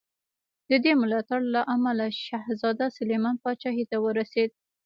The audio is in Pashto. د دې ملاتړ له امله شهزاده سلیمان پاچاهي ته ورسېد.